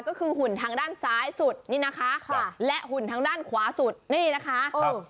ก็คือหุ่นทางด้านซ้ายสุดนี่นะคะค่ะและหุ่นทางด้านขวาสุดนี่นะคะเออ